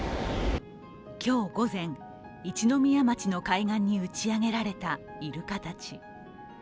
今日午前、一宮町の海岸に打ち上げられたイルカたち。